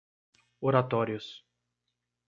Oratórios